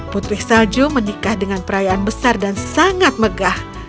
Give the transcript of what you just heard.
putri salju menikah dengan perayaan besar dan sangat megah